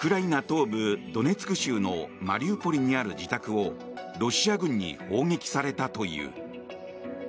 東部ドネツク州のマリウポリにある自宅をロシア軍に砲撃されたという。